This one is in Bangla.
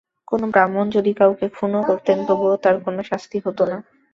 কোন ব্রাহ্মণ যদি কাউকে খুনও করতেন, তবুও তাঁর কোন শাস্তি হত না।